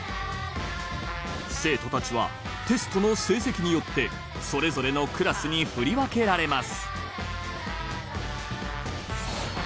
生徒たちはテストの成績によってそれぞれのクラスに振り分けられます